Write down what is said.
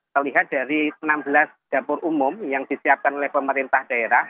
terlihat dari enam belas dapur umum yang disiapkan oleh pemerintah daerah